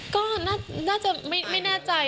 ก็น่าจะไม่แน่ใจ